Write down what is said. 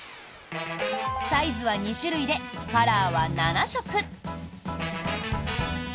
サイズは２種類でカラーは７色。